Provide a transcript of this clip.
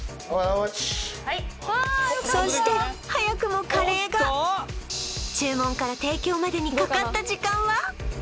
そして早くもカレーが注文から提供までにかかった時間は？